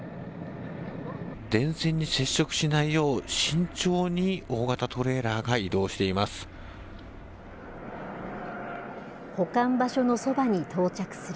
電線に接触しないよう、慎重に大型トレーラーが移動しています。